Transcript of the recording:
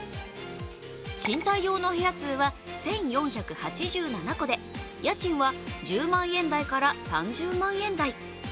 賃貸用の部屋数は１４８７戸で家賃は１０万円台から３０万円台。